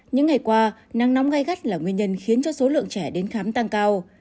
những ngày qua nắng nóng gai gắt là nguyên nhân khiến cho số lượng trẻ đến khám tăng cao